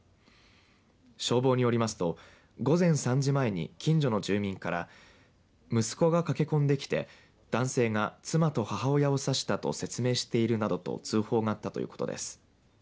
消防によりますと午前３時前に近所の住民から息子が駆け込んできて男性が妻と母親を刺したと説明しているなどと通報があったということです。